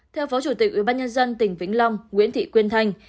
theo phó chủ tịch ubnd tỉnh vĩnh long nguyễn thị quyên thanh